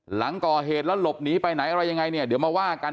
หลังก่อเหตุแล้วหลบหนีไปไหนอะไรยังไงเนี่ยเดี๋ยวมาว่ากัน